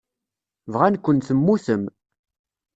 Bɣan-ken temmutem.